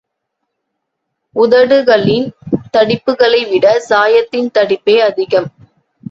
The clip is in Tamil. உதடுகளின் தடிப்புக்களைவிட சாயத்தின் தடிப்பே அதிகம்.